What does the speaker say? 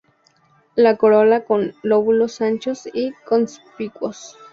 La corola con lóbulos anchos y conspicuos.